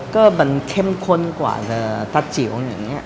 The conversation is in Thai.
ก็มันเข้มข้นกว่าตะจิ๋วอย่างนี้